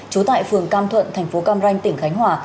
trú tại phường cam thuận thành phố cam ranh tỉnh khánh hòa